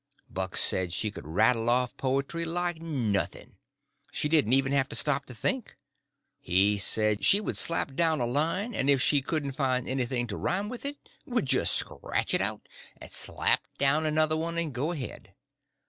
Buck said she could rattle off poetry like nothing. She didn't ever have to stop to think. He said she would slap down a line, and if she couldn't find anything to rhyme with it would just scratch it out and slap down another one, and go ahead.